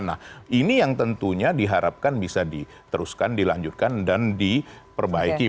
nah ini yang tentunya diharapkan bisa diteruskan dilanjutkan dan diperbaiki